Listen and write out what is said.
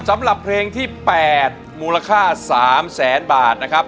สำหรับเพลงที่๘มูลค่า๓แสนบาทนะครับ